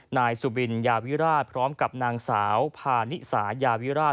นายสุบินยาวิราชพร้อมกับนางสาวพานิสายาวิราช